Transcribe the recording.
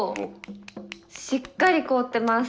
しっかり凍ってます。